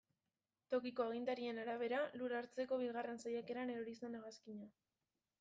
Tokiko agintarien arabera, lur hartzeko bigarren saiakeran erori zen hegazkina.